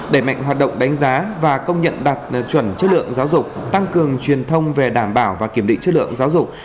đẩy mạnh hoạt động đánh giá và công nhận đạt chuẩn chất lượng giáo dục tăng cường truyền thông về đảm bảo và kiểm định chất lượng giáo dục